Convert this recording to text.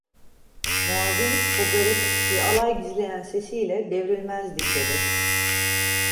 Muavin, o garip bir alay gizleyen sesiyle: "Devrilmezdik…" dedi.